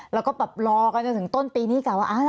เราก็แบบรอกันถึงต้นปีนี้กล่าวว่า